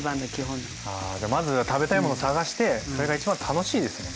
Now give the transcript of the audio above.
あじゃあまず食べたいものを探してそれが一番楽しいですもんね。はい。